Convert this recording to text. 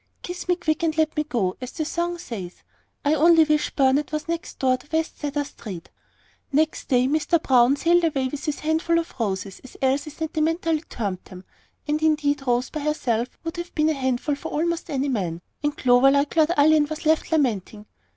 'Kiss me quick and let me go,' as the song says. I only wish Burnet was next door to West Cedar Street!" Next day Mr. Browne sailed away with his "handful of Roses," as Elsie sentimentally termed them (and indeed, Rose by herself would have been a handful for almost any man); and Clover, like Lord Ullin, was "left lamenting."